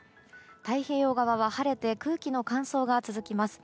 太平洋側は晴れて空気の乾燥が続きます。